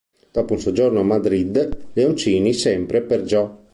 Dopo un soggiorno a Madrid, Leoncini, sempre per Gio.